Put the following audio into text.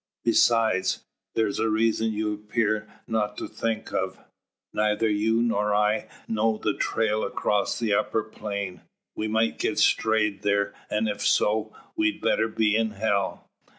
Besides, there's a reason you appear not to think of. Neither you nor I know the trail across the upper plain. We might get strayed there, and if so, we'd better be in hell?"